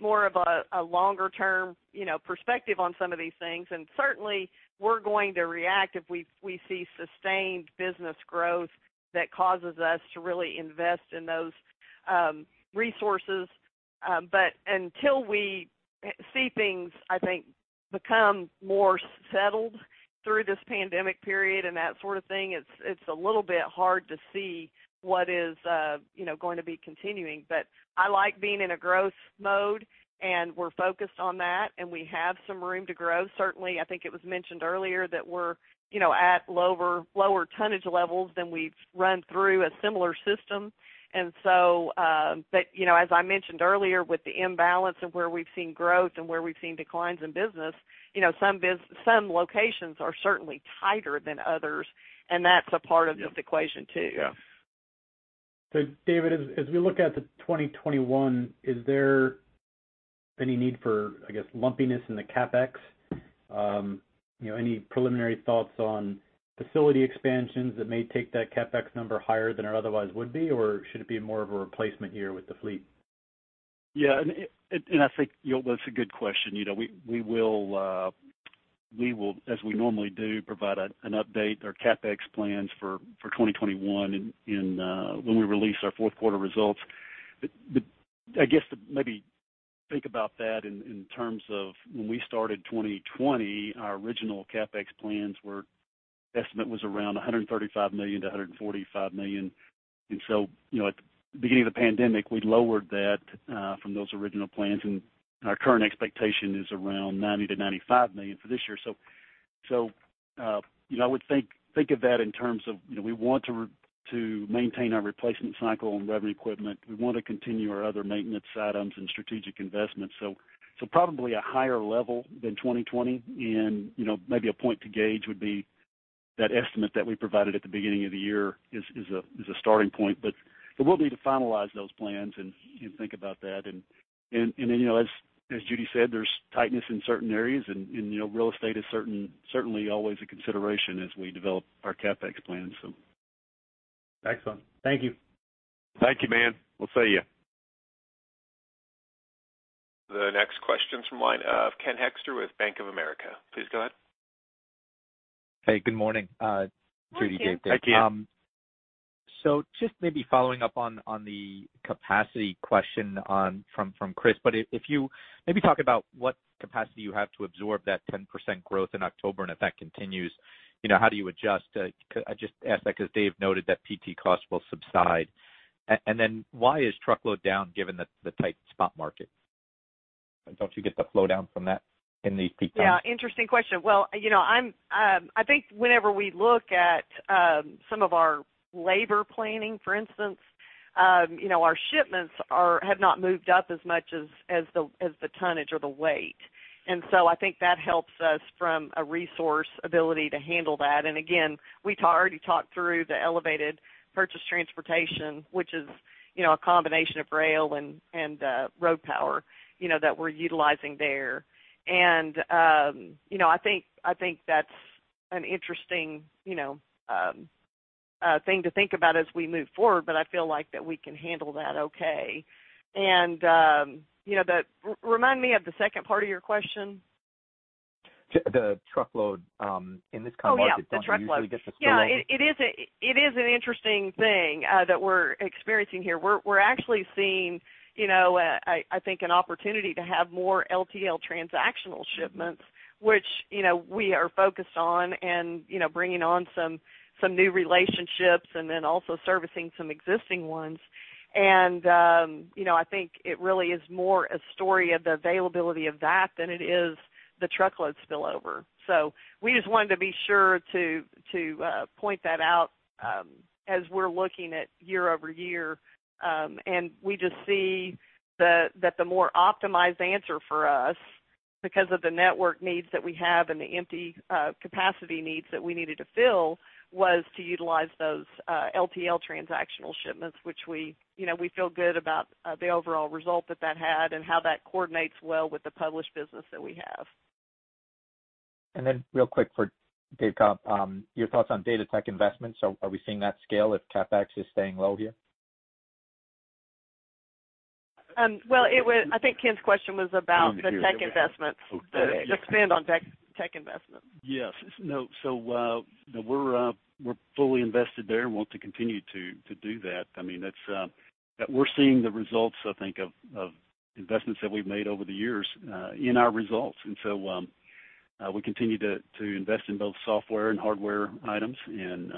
more of a longer term, you know, perspective on some of these things. And certainly, we're going to react if we see sustained business growth that causes us to really invest in those resources. But until we see things, I think, become more settled through this pandemic period and that sort of thing, it's a little bit hard to see what is, you know, going to be continuing. But I like being in a growth mode, and we're focused on that, and we have some room to grow. Certainly, I think it was mentioned earlier that we're, you know, at lower, lower tonnage levels than we've run through a similar system. And so, but, you know, as I mentioned earlier, with the imbalance of where we've seen growth and where we've seen declines in business, you know, some locations are certainly tighter than others, and that's a part of this equation, too. Yeah. So, David, as we look at 2021, is there any need for, I guess, lumpiness in the CapEx? You know, any preliminary thoughts on facility expansions that may take that CapEx number higher than it otherwise would be, or should it be more of a replacement year with the fleet? Yeah, and I think, you know, that's a good question. You know, we will, as we normally do, provide an update, our CapEx plans for 2021 in when we release our Q4 results. But I guess to maybe think about that in terms of when we started 2020, our original CapEx plans were estimate was around $135 million-$145 million. And so, you know, at the beginning of the pandemic, we lowered that from those original plans, and our current expectation is around $90 million-95 million for this year. So, you know, I would think of that in terms of, you know, we want to maintain our replacement cycle on revenue equipment. We want to continue our other maintenance items and strategic investments. So probably a higher level than 2020. And, you know, maybe a point to gauge would be that estimate that we provided at the beginning of the year is a starting point. But we'll need to finalize those plans and think about that. And, you know, as Judy said, there's tightness in certain areas and, you know, real estate is certainly always a consideration as we develop our CapEx plans, so. Excellent. Thank you. Thank you, man. We'll see you. The next question's from line of Ken Hoexter with Bank of America. Please go ahead. Hey, good morning, Judy, David, David. Hi, Ken. So just maybe following up on the capacity question from Chris. But if you maybe talk about what capacity you have to absorb that 10% growth in October, and if that continues, you know, how do you adjust? I just ask that because Dave noted that PT costs will subside. And then why is truckload down, given the tight spot market? Don't you get the flow down from that in these peak times? Yeah, interesting question. Well, you know, I'm, I think whenever we look at some of our labor planning, for instance, you know, our shipments have not moved up as much as the tonnage or the weight. And so I think that helps us from a resource ability to handle that. And again, we already talked through the elevated purchase transportation, which is, you know, a combination of rail and road power, you know, that we're utilizing there. And, you know, I think that's an interesting thing to think about as we move forward, but I feel like that we can handle that okay. And, you know, the—remind me of the second part of your question. The truckload in this kind of market— Oh, yeah, the truckload. Do you usually get the spillover? Yeah, it is an interesting thing that we're experiencing here. We're actually seeing, you know, I think an opportunity to have more LTL transactional shipments, which, you know, we are focused on and, you know, bringing on some new relationships and then also servicing some existing ones. And, you know, I think it really is more a story of the availability of that than it is the truckload spillover. So we just wanted to be sure to point that out as we're looking at year-over-year. And we just see that the more optimized answer for us, because of the network needs that we have and the empty capacity needs that we needed to fill, was to utilize those LTL transactional shipments, which we, you know, we feel good about the overall result that that had and how that coordinates well with the published business that we have. Then real quick for David Cobb. Your thoughts on data tech investments. So are we seeing that scale if CapEx is staying low here? Well, it was—I think Ken's question was about the tech investments. Okay. Expand on tech, tech investments. Yes. No, so we're fully invested there and want to continue to do that. I mean, that's we're seeing the results, I think, of investments that we've made over the years in our results. And so, we continue to invest in both software and hardware items, and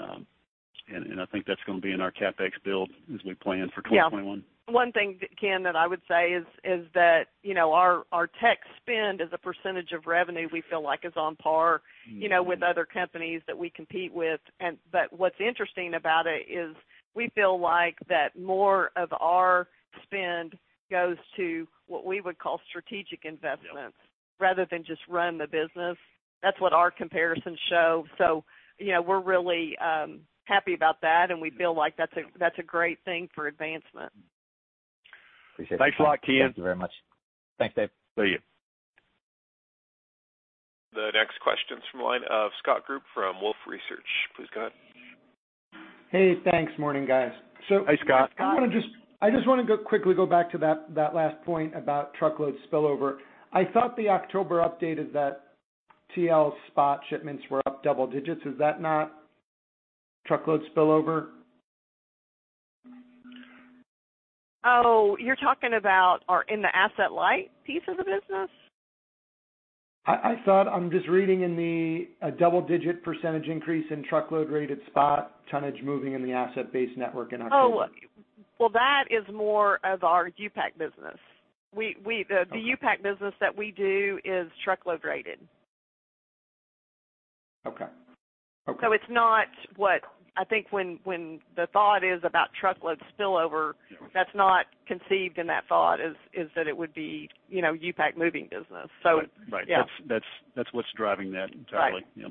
I think that's going to be in our CapEx build as we plan for 2021. Yeah. One thing, Ken, that I would say is that, you know, our tech spend as a percentage of revenue, we feel like is on par, you know, with other companies that we compete with. And but what's interesting about it is we feel like that more of our spend goes to what we would call strategic investments Rather than just run the business. That's what our comparisons show. So, you know, we're really happy about that, and we feel like that's a, that's a great thing for advancement. Appreciate it. Thanks a lot, Ken. Thank you very much. Thanks, Dave. See you. The next question's from the line of Scott Group from Wolfe Research. Please go ahead. Hey, thanks. Morning, guys. Hi, Scott. So I just want to go quickly back to that last point about truckload spillover. I thought the October update is that TL spot shipments were up double digits. Is that not truckload spillover? Oh, you're talking about our in the Asset-Light piece of the business? I thought, I'm just reading a double-digit percentage increase in truckload rated spot tonnage moving in the Asset-Based network in October. Oh, well, that is more of our U-Pack business. Okay. The U-Pack business that we do is truckload rated. Okay. Okay. So it's not what1I think when, when the thought is about truckload spillover that's not conceived in that thought, is, is that it would be, you know, U-Pack moving business. So— Right. Yeah. That's what's driving that entirely. Right. Yeah.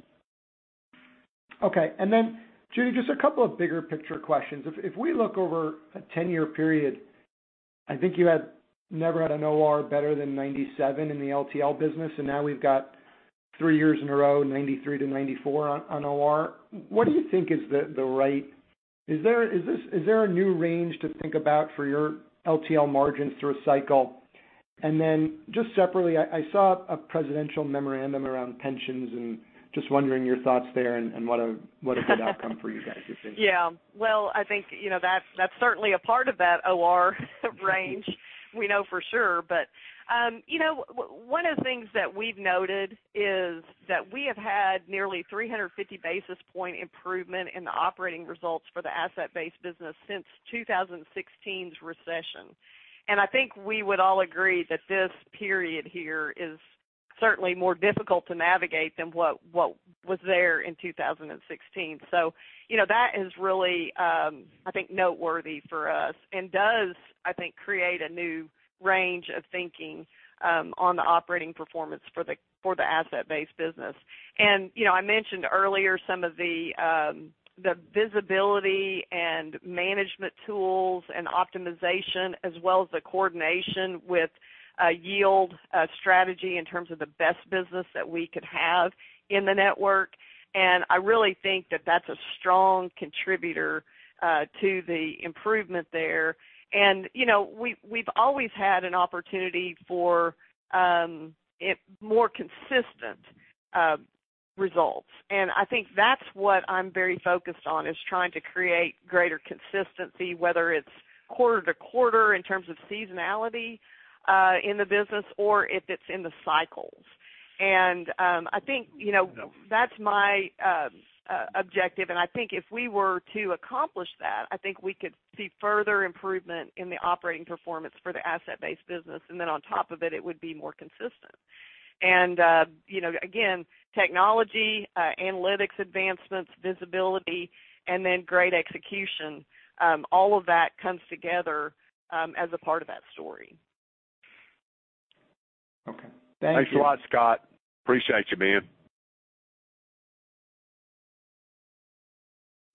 Okay. And then, Judy, just a couple of bigger picture questions. If, if we look over a 10-year period, I think you had never had an OR better than 97 in the LTL business, and now we've got three years in a row, 93-94 on, on OR. What do you think is the, the right—is there, is this, is there a new range to think about for your LTL margins through a cycle? And then, just separately, I, I saw a presidential memorandum around pensions and just wondering your thoughts there and, and what a, what a good outcome for you guys you think? Yeah. Well, I think, you know, that's, that's certainly a part of that OR range, we know for sure. But, you know, one of the things that we've noted is that we have had nearly 350 basis point improvement in the operating results for the Asset-Based business since 2016's recession. And I think we would all agree that this period here is certainly more difficult to navigate than what, what was there in 2016. So, you know, that is really, I think, noteworthy for us and does, I think, create a new range of thinking, on the operating performance for the, for the Asset-Based business. You know, I mentioned earlier some of the visibility and management tools and optimization, as well as the coordination with yield strategy in terms of the best business that we could have in the network. And I really think that that's a strong contributor to the improvement there. And, you know, we, we've always had an opportunity for more consistent results. And I think that's what I'm very focused on, is trying to create greater consistency, whether it's quarter-to-quarter in terms of seasonality in the business or if it's in the cycles. And I think, you know, that's my objective, and I think if we were to accomplish that, I think we could see further improvement in the operating performance for the Asset-Based business. And then on top of it, it would be more consistent. And, you know, again, technology, analytics, advancements, visibility, and then great execution, all of that comes together, as a part of that story. Okay, thank you. Thanks a lot, Scott. Appreciate you, man.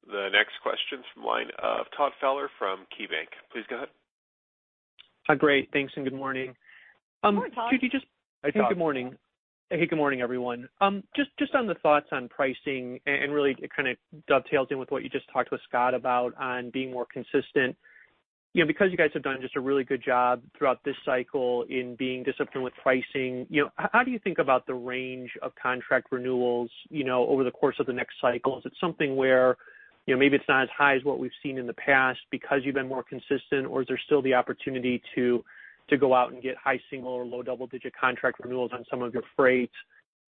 The next question from the line of Todd Fowler from KeyBanc. Please go ahead. Hi, great, thanks, and good morning. Good morning, Todd. Good morning. Hey, good morning, everyone. Just on the thoughts on pricing and really it kind of dovetails in with what you just talked with Scott about on being more consistent. You know, because you guys have done just a really good job throughout this cycle in being disciplined with pricing, you know, how do you think about the range of contract renewals, you know, over the course of the next cycle? Is it something where, you know, maybe it's not as high as what we've seen in the past because you've been more consistent, or is there still the opportunity to go out and get high single or low double-digit contract renewals on some of your freight?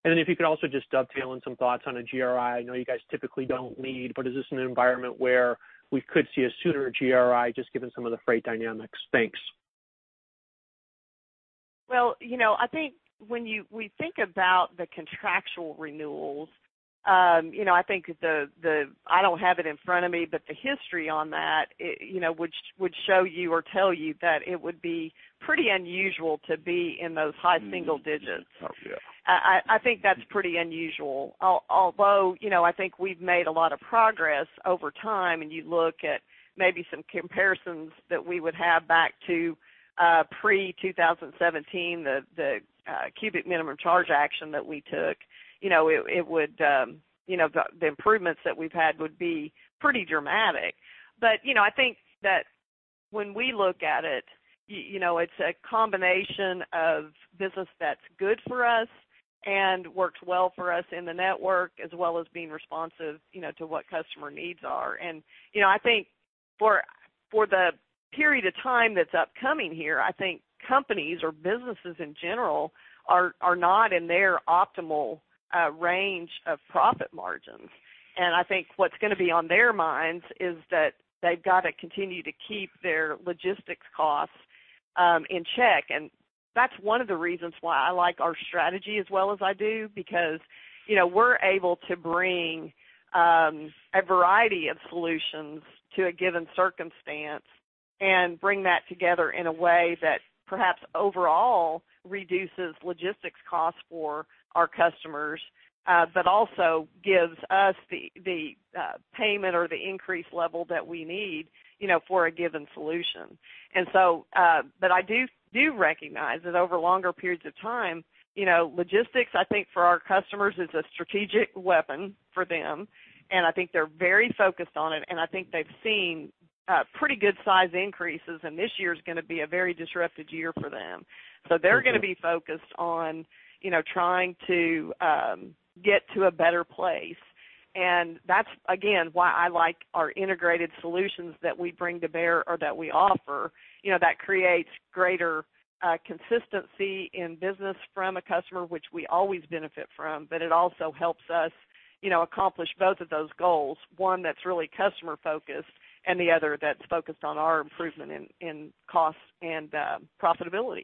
And then if you could also just dovetail in some thoughts on a GRI. I know you guys typically don't lead, but is this an environment where we could see a sooner GRI, just given some of the freight dynamics? Thanks. Well, you know, I think when we think about the contractual renewals, you know, I think the history on that, it, you know, would show you or tell you that it would be pretty unusual to be in those high single digits. Oh, yeah. I think that's pretty unusual. Although, you know, I think we've made a lot of progress over time, and you look at maybe some comparisons that we would have back to pre-2017, the cubic minimum charge action that we took. You know, it would, you know, the improvements that we've had would be pretty dramatic. But, you know, I think that when we look at it, you know, it's a combination of business that's good for us and works well for us in the network, as well as being responsive, you know, to what customer needs are. And, you know, I think for the period of time that's upcoming here, I think companies or businesses in general are not in their optimal range of profit margins. I think what's gonna be on their minds is that they've got to continue to keep their logistics costs in check. That's one of the reasons why I like our strategy as well as I do, because, you know, we're able to bring a variety of solutions to a given circumstance and bring that together in a way that perhaps overall reduces logistics costs for our customers, but also gives us the payment or the increase level that we need, you know, for a given solution. But I do recognize that over longer periods of time, you know, logistics, I think for our customers, is a strategic weapon for them, and I think they've seen pretty good size increases, and this year is gonna be a very disrupted year for them. So they're gonna be focused on, you know, trying to get to a better place. And that's, again, why I like our integrated solutions that we bring to bear or that we offer. You know, that creates greater consistency in business from a customer, which we always benefit from, but it also helps us, you know, accomplish both of those goals. One, that's really customer focused, and the other that's focused on our improvement in cost and profitability.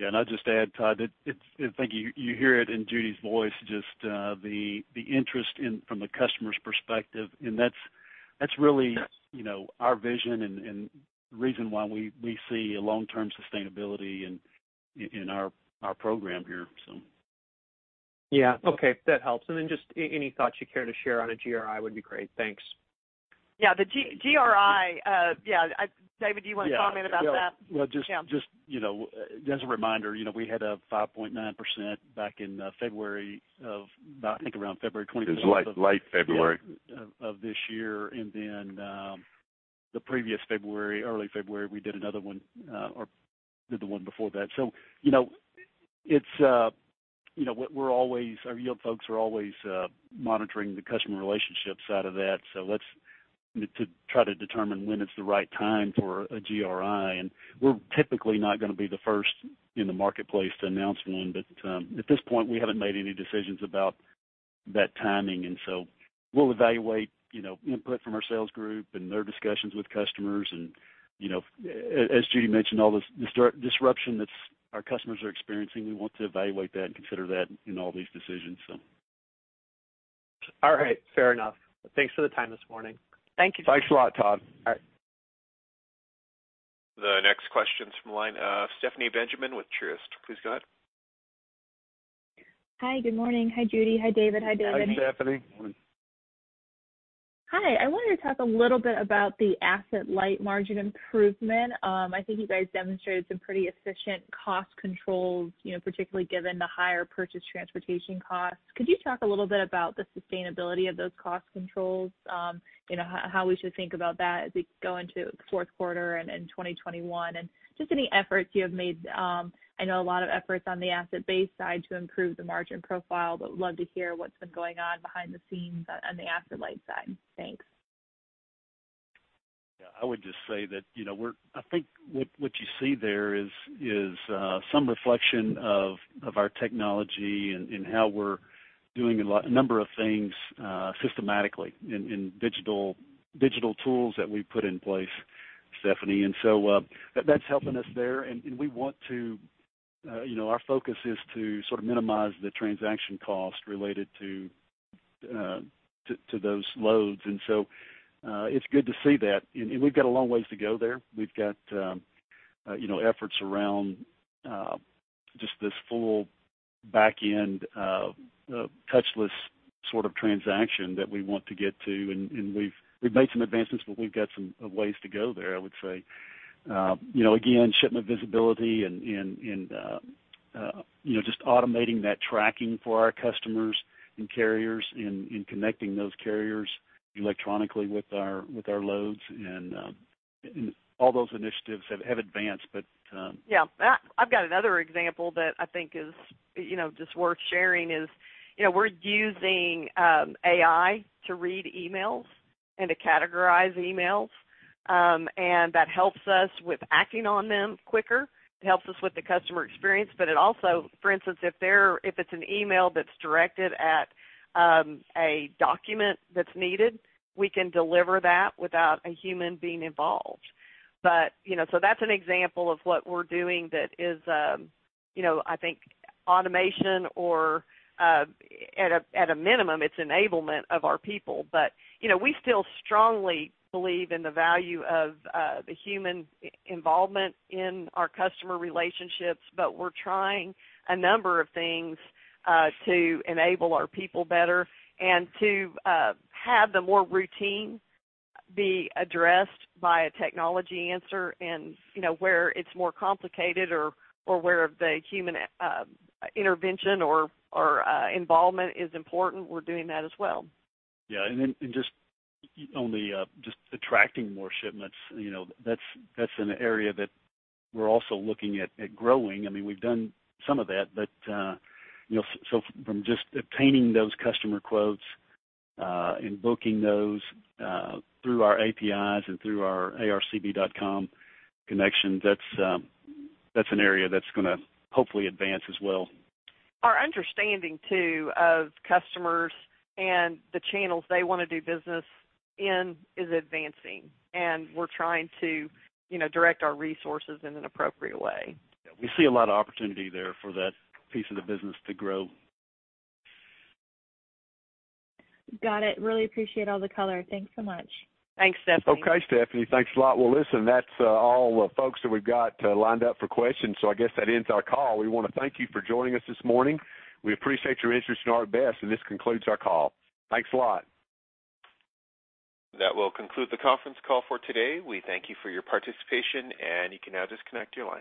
Yeah, and I'll just add, Todd, it's—I think you hear it in Judy's voice, just the interest in from the customer's perspective. And that's really, you know, our vision and the reason why we see a long-term sustainability in our program here, so. Yeah. Okay, that helps. And then just any thoughts you care to share on a GRI would be great. Thanks. Yeah, the GRI, yeah, I—David, do you want to comment about that? Well, just— Yeah. Just, you know, as a reminder, you know, we had a 5.9% back in February of about, I think, around February 24th— It was late, late February. —end of this year. And then, the previous February, early February, we did another one or did the one before that. So, you know, it's, you know, we're always, our yield folks are always monitoring the customer relationship side of that. So, to try to determine when it's the right time for a GRI, and we're typically not gonna be the first in the marketplace to announce one. But, at this point, we haven't made any decisions about that timing, and so we'll evaluate, you know, input from our sales group and their discussions with customers. And, you know, as Judy mentioned, all this disruption that our customers are experiencing, we want to evaluate that and consider that in all these decisions, so. All right. Fair enough. Thanks for the time this morning. Thank you. Thanks a lot, Todd. All right. The next question is from the line of Stephanie Benjamin with Truist. Please go ahead. Hi, good morning. Hi, Judy. Hi, David. Hi, David. Hi, Stephanie. Hi, I wanted to talk a little bit about the Asset-Light margin improvement. I think you guys demonstrated some pretty efficient cost controls, you know, particularly given the higher purchase transportation costs. Could you talk a little bit about the sustainability of those cost controls? You know, how we should think about that as we go into the Q4 and 2021, and just any efforts you have made. I know a lot of efforts on the Asset-Based side to improve the margin profile, but love to hear what's been going on behind the scenes on the Asset-Light side. Thanks. Yeah, I would just say that, you know, we're-- I think what you see there is some reflection of our technology and how we're doing a lot... a number of things systematically in digital tools that we put in place, Stephanie. And so, that's helping us there, and we want to, you know, our focus is to sort of minimize the transaction cost related to those loads. And so, it's good to see that. And we've got a long ways to go there. We've got, you know, efforts around just this full back end touchless sort of transaction that we want to get to. And we've made some advancements, but we've got some ways to go there, I would say. You know, again, shipment visibility and you know, just automating that tracking for our customers and carriers and connecting those carriers electronically with our loads. And all those initiatives have advanced, but Yeah, I've got another example that I think is, you know, just worth sharing is, you know, we're using AI to read emails and to categorize emails. And that helps us with acting on them quicker. It helps us with the customer experience, but it also—for instance, if it's an email that's directed at a document that's needed, we can deliver that without a human being involved. But, you know, so that's an example of what we're doing that is, you know, I think automation or at a minimum, it's enablement of our people. But, you know, we still strongly believe in the value of the human involvement in our customer relationships, but we're trying a number of things to enable our people better and to have the more routine be addressed by a technology answer. And, you know, where it's more complicated or where the human intervention or involvement is important, we're doing that as well. Yeah, and then, and just on the, just attracting more shipments, you know, that's, that's an area that we're also looking at, at growing. I mean, we've done some of that, but, you know, so from just obtaining those customer quotes, and booking those, through our APIs and through our arcb.com connection, that's, that's an area that's gonna hopefully advance as well. Our understanding, too, of customers and the channels they want to do business in is advancing, and we're trying to, you know, direct our resources in an appropriate way. Yeah, we see a lot of opportunity there for that piece of the business to grow. Got it. Really appreciate all the color. Thanks so much. Thanks, Stephanie. Okay, Stephanie, thanks a lot. Well, listen, that's all the folks that we've got lined up for questions. I guess that ends our call. We want to thank you for joining us this morning. We appreciate your interest in ArcBest, and this concludes our call. Thanks a lot. That will conclude the conference call for today. We thank you for your participation, and you can now disconnect your line.